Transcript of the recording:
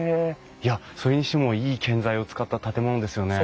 いやそれにしてもいい建材を使った建物ですよね。